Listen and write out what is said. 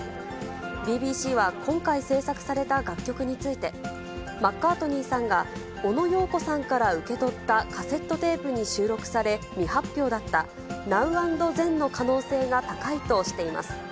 ＢＢＣは今回制作された楽曲について、マッカートニーさんがオノ・ヨーコさんから受け取ったカセットテープに収録され、未発表だった、ＮｏｗＡｎｄＴｈｅｎの可能性が高いとしています。